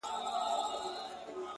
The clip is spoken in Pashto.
لويه گناه ـ